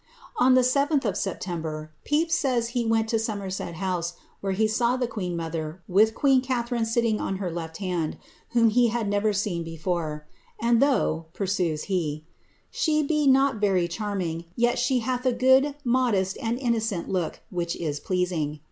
On the 7th of September, Pepys says he went to Somerset House, where he saw the queen mother, with queen Catharine sitting on her left hand, whom he had never seen before \and though," pursues he, ^ she be not very channing, yet she hath a mod, modest, and innocent look, which is pleasing.